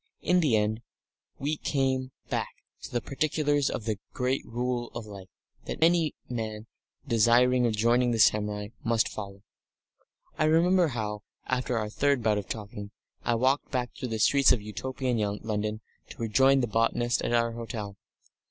In the end we came back to the particulars of this great Rule of Life that any man desiring of joining the samurai must follow. I remember how, after our third bout of talking, I walked back through the streets of Utopian London to rejoin the botanist at our hotel.